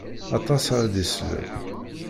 Aṭas ara d-islen.